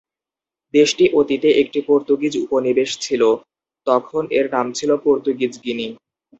দেশটি অতীতে একটি পর্তুগিজ উপনিবেশ ছিল; তখন এর নাম ছিল পর্তুগিজ গিনি।